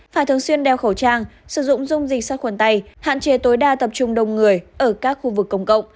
phải thường xuyên đeo khẩu trang sử dụng dung dịch sars cov hai hạn chế tối đa tập trung đông người ở các khu vực công cộng